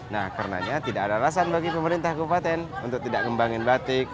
nah karenanya tidak ada alasan bagi pemerintah kabupaten untuk tidak kembangin batik